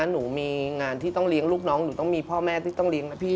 หนูมีงานที่ต้องเลี้ยงลูกน้องหนูต้องมีพ่อแม่ที่ต้องเลี้ยงนะพี่